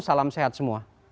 salam sehat semua